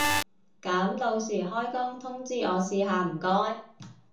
噉到時開工通知我試下唔該